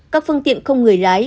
các phương tiện không người lái